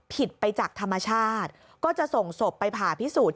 ผิดไปจากธรรมชาติก็จะส่งศพไปผ่าพิสูจน์